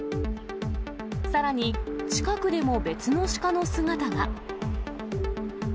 さらに、近くでも別のシカの姿が。